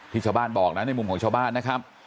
ชาวบ้านบอกนะในมุมของชาวบ้านนะครับ